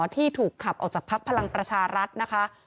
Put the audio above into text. ที่ถูกขับออกจากภักดิ์พลังประชารัฐนะคะ